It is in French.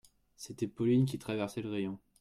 C'était Pauline qui traversait le rayon.